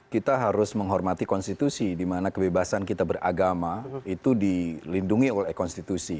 kita harus menghormati konstitusi dimana kebebasan kita beragama itu dilindungi oleh konstitusi